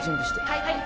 はい。